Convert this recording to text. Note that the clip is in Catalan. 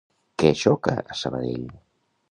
Què xoca a Sabadell?